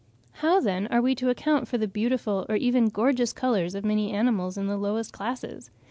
How, then, are we to account for the beautiful or even gorgeous colours of many animals in the lowest classes?